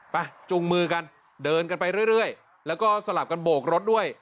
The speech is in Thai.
จุงมือกันเดินกันไปเรื่อยแล้วก็สลับกันโบกรถด้วย